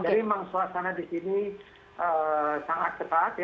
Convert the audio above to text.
jadi memang suasana di sini sangat ketat